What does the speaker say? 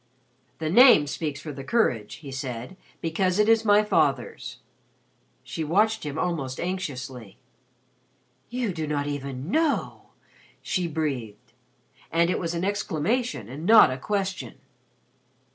"The name speaks for the courage," he said, "because it is my father's." She watched him almost anxiously. "You do not even know!" she breathed and it was an exclamation and not a question.